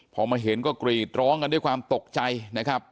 พอมาเห็นก็กรีดร้องกันด้วยความตกใจนะครับ